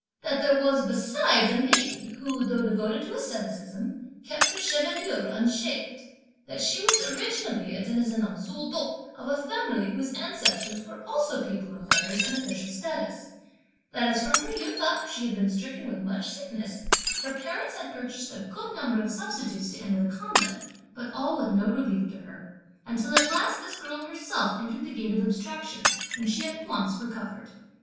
That there was besides a maiden, who though devoted to asceticism, kept her chevelure unshaved; that she was originally a denizen of Suchow, of a family whose ancestors were also people of letters and official status; that as from her youth up she had been stricken with much sickness, (her parents) had purchased a good number of substitutes (to enter the convent), but all with no relief to her, until at last this girl herself entered the gate of abstraction when she at once recovered.